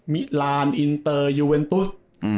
มิลานอินเตอร์ยูเวนตุส